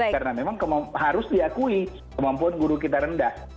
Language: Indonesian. karena memang harus diakui kemampuan guru kita rendah